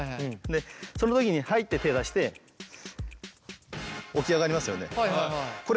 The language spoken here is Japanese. でその時に「はい」って手を出して起き上がりますよね。